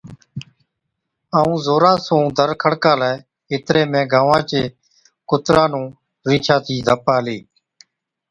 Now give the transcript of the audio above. ائُون زورا سُون دَر کڙڪالَي۔ اِتري ۾ گانوان چي ڪُتران نُون رِينڇا چِي ڌپ آلِي،